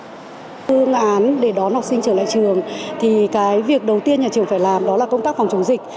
phương án để đón học sinh trở lại trường thì cái việc đầu tiên nhà trường phải làm đó là công tác phòng chống dịch